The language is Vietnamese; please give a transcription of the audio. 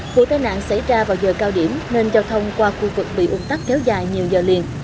vụ tai nạn xảy ra vào giờ cao điểm nên giao thông qua khu vực bị ung tắc kéo dài nhiều giờ liền